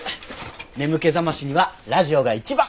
眠気覚ましにはラジオが一番。